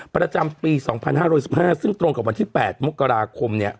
ประจำปี๒๕๑๕ซึ่งตรงกับวันที่๘มกราคม